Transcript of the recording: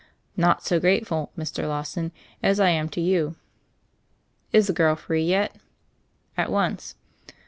"Not so grateful, Mr. Lawson, as I am to you." "Is the girl free yet?" "At once."